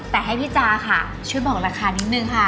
แต่ให้พี่จาค่ะช่วยบอกราคานิดนึงค่ะ